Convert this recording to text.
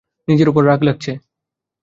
নিজের উপর রাগ লাগছে।